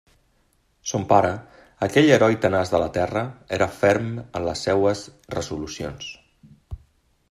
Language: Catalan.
Son pare, aquell heroi tenaç de la terra, era ferm en les seues resolucions.